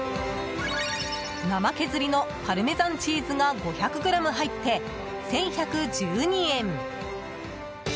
生削りのパルメザンチーズが５００ｇ入って１１１２円。